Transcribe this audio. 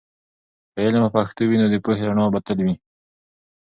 که علم په پښتو وي، نو د پوهې رڼا به تل وي.